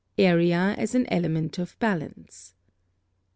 AREA as an element of balance.